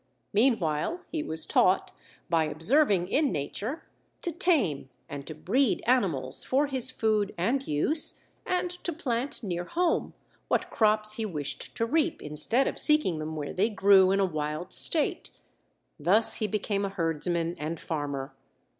Meanwhile, he was taught, by observing in nature, to tame and to breed animals for his food and use, and to plant near home what crops he wished to reap, instead of seeking them where they grew in a wild state. Thus, he became a herdsman and farmer.